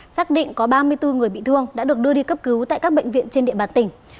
xác định có ba mươi bốn người bị thương đã được đưa đi cấp cứu tại các bệnh viện trên địa bàn tỉnh